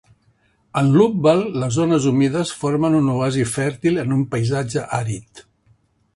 En Loubbal, les zones humides formen un oasi fèrtil en un paisatge àrid.